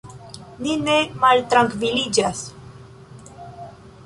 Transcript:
Ni ne maltrankviliĝas.